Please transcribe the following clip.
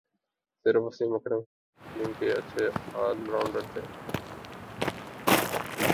صرف وسیم اکرم ہی ہماری ٹیم کے اچھے آل راؤنڈر تھے